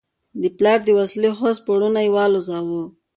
د پلار د وسلې هوس پوړونی والوزاوه.